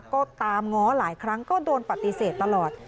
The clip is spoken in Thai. ก็ตามง้อหลายครั้งก็โดนปฏิเสธตลอด